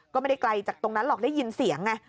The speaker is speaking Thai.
ก็ไม่ได้ไกลจากตรงนั้นหรอกได้ยินเสียงไง